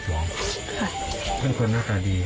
เพื่อนคนหน้าตาดี